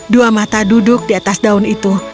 dua mata duduk di atas daun itu